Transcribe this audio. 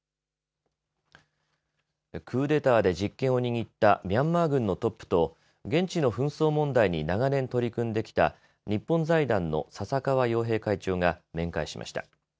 クーデターで実権を握ったミャンマー軍のトップと現地の紛争問題に長年取り組んできた日本財団の笹川陽平会長が面会しました。